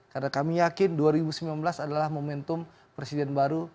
karena kami yakin dua ribu sembilan belas adalah momentum presiden baru